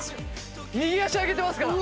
右足上げてますから。